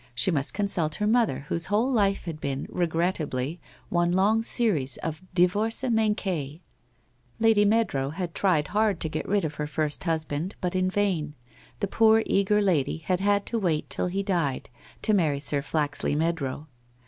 She must consult her mother whose whole life had been, regrettably, one long series of divorces manquees. Lady Meadrow had tried hard to get rid of her first husband but in vain, the poor eager lady had had to wait till he died to marry Sir Flaxley Meadrow.